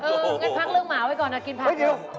งั้นพักเรื่องหมาไว้ก่อนกินผักอยู่